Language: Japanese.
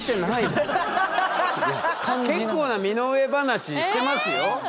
結構な身の上話してますよ。